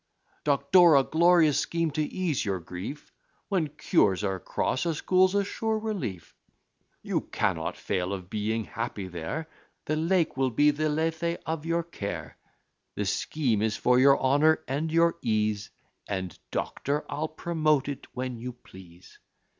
"Doctor a glorious scheme to ease your grief! When cures are cross, a school's a sure relief. You cannot fail of being happy there, The lake will be the Lethe of your care: The scheme is for your honour and your ease: And, doctor, I'll promote it when you please.